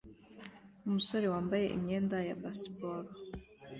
Umusore yambaye imyenda ya baseball